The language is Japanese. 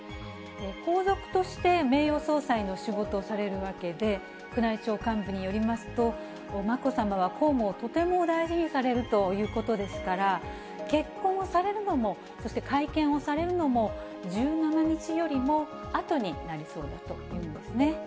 皇族として名誉総裁の仕事をされるわけで、宮内庁幹部によりますと、まこさまは公務をとても大事にされるということですから、結婚をされるのも、そして会見をされるのも、１７日よりもあとになりそうだというんですね。